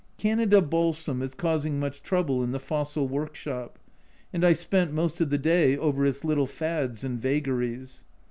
Canada Balsam is causing much trouble in the fossil work shop, and I spent most of the day over its little fads and vagaries.